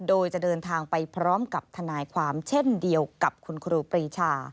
โดยจะเดินทางไปพร้อมกับทนายความเช่นเดียวกับคุณครูปรีชา